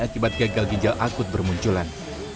akibat gagal ginjal akut bermunculan